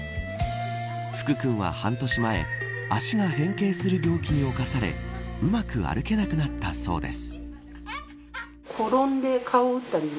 福くんは半年前足が変形する病気に侵されうまく歩けなくなったそうです。